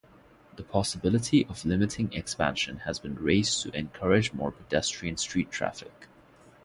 The possibility of limiting expansion has been raised to encourage more pedestrian street traffic.